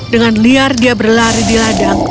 dengan liar dia berlari di ladang